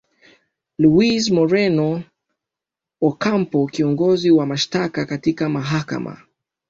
louis moreno ocampo kiongozi wa mashtaka katika mahakama